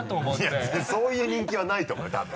いやそういう人気はないと思うよ多分。